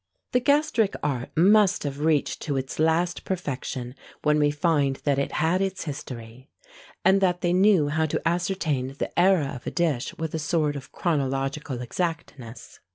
The gastric art must have reached to its last perfection, when we find that it had its history; and that they knew how to ascertain the ÃḊra of a dish with a sort of chronological exactness.